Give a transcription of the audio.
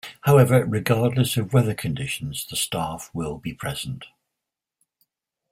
However, regardless of weather conditions, the staff will be present.